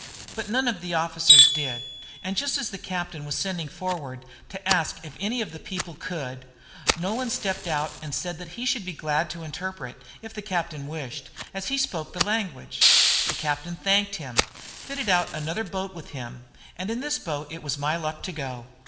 But none of the officers did; and just as the captain was sending forward to ask if any of the people could, Nolan stepped out and said he should be glad to interpret, if the captain wished, as he understood the language. The captain thanked him, fitted out another boat with him, and in this boat it was my luck to go.